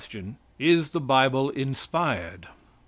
Is the Bible inspired?